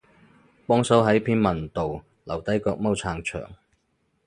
幫手喺篇文度留低腳毛撐場